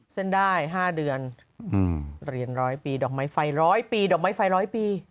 เส้นได้๕เดือนเหรียญ๑๐๐ปีดอกไม้ไฟ๑๐๐ปีปี